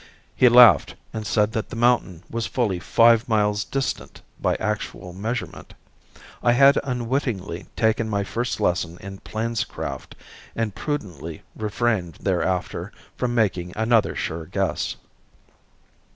He laughed and said that the mountain was fully five miles distant by actual measurement. I had unwittingly taken my first lesson in plainscraft and prudently refrained thereafter from making another sure guess.